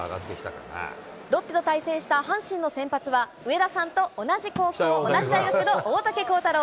ロッテと対戦した阪神の先発は、上田さんと同じ高校、同じ大学の大竹耕太郎。